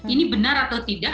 ini benar atau tidak